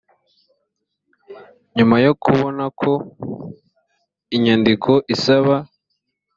nyuma yo kubona ko inyandiko isaba